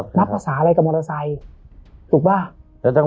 บ๊วยก็รับภาษาอะไรกับมอเทศร์ถูกบ้าง